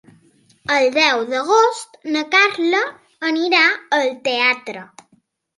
El deu d'agost na Carla anirà al teatre.